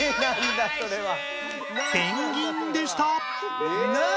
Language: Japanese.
「ペンギン」でした！